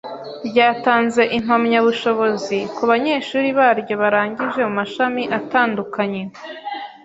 ryatanze Impamyabushobozi ku banyeshuri baryo barangije mu mashami atandukanye.